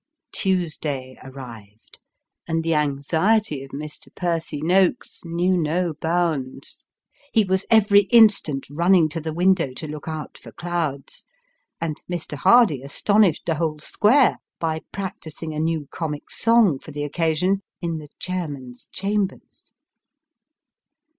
Tuesday arrived, and the anxiety of Mr. Percy Noakes knew no bounds. He was every instant running to the window, 294 Sketches by Boz. to look out for clouds; and Mr. Hardy astonished the whole square by practising a new comic song for the occasion, in the chairman's chambers.